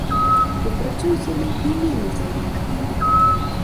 Бо, працуюць яны не меней за іншых.